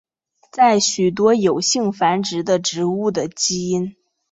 在许多有性繁殖的生物的基因。